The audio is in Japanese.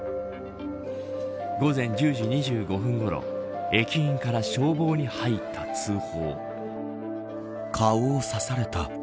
午前１０時２５分ごろ駅員から消防に入った通報。